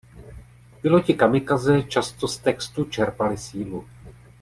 Piloti kamikaze často z textu čerpali sílu.